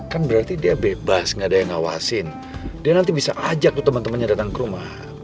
kan berarti dia bebas nggak ada yang ngawasin dia nanti bisa ajak tuh teman temannya datang ke rumah